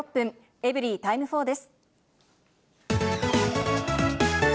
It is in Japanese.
エブリィタイム４です。